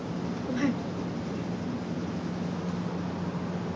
はい。